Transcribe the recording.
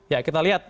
ya kita lihat